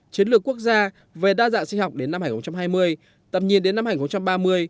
chiến lược quốc gia về đa dạng sinh học đến năm hai nghìn hai mươi tầm nhìn đến năm hai nghìn ba mươi